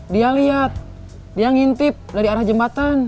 dia lihat dia ngintip dari arah jembatan